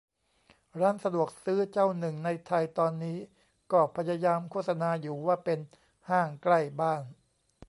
ร้านสะดวกซื้อเจ้าหนึ่งในไทยตอนนี้ก็พยายามโฆษณาอยู่ ว่าเป็น "ห้างใกล้บ้าน"